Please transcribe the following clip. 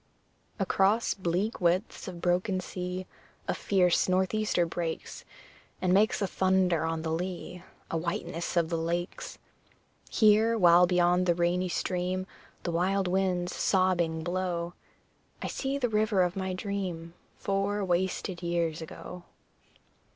Across bleak widths of broken sea A fierce north easter breaks, And makes a thunder on the lea A whiteness of the lakes. Here, while beyond the rainy stream The wild winds sobbing blow, I see the river of my dream Four wasted years ago.